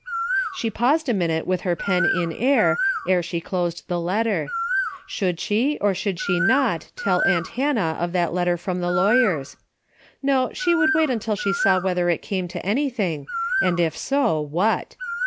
She paused a minute with her pen in air ere she closed the letter. Should she, or should she not tell aunt Hannah of that letter from the lawyers ? Ho, she would not until she saw whether it came to anything, and if so, what.